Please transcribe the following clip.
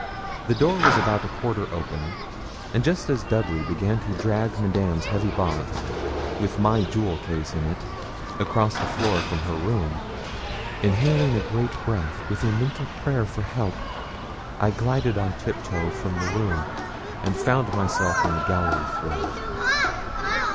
The door was about a quarter open, and just as Dudley began to drag Madame's heavy box, with my jewel case in it, across the floor from her room, inhaling a great breath with a mental prayer for help I glided on tiptoe from the room and found myself on the gallery floor.